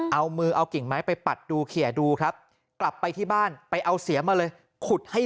เอามือเอากิ่งไม้ไปปัดดูเขียดูครับกลับไปที่บ้านไปเอาเสียมาเลยขุดให้